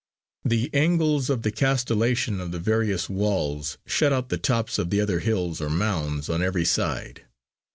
The angles of the castellation of the various walls shut out the tops of the other hills or mounds on every side.